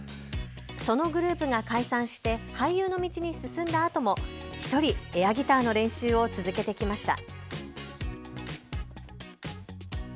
そのグループが解散して俳優の道に進んだあとも１人、エアギターの練習を続けてきました。